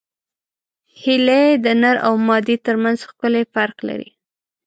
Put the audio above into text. هیلۍ د نر او مادې ترمنځ ښکلی فرق لري